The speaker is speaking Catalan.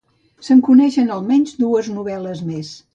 Se'n coneixen almenys dues novel·les més.